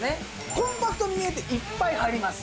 コンパクトに見えていっぱい入ります。